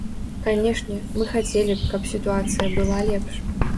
Канешне, мы хацелі б, каб сітуацыя была лепш.